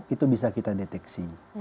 itu bisa kita deteksi